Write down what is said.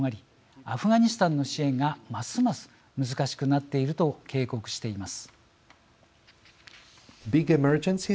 アフガニスタンの支援がますます難しくなっていると警告しています。